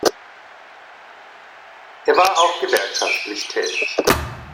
Er war auch gewerkschaftlich tätig.